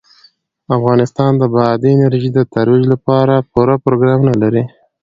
افغانستان د بادي انرژي د ترویج لپاره پوره پروګرامونه لري.